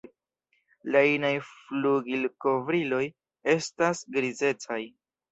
La inaj flugilkovriloj estas grizecaj.